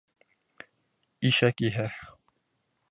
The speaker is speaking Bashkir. Ишәк иһә: